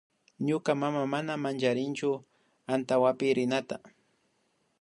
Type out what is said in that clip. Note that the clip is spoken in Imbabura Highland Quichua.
Ñuka mama mana manchanchu antankapi rinata